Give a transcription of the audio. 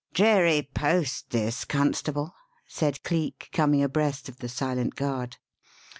"Dreary post this, Constable," said Cleek, coming abreast of the silent guard.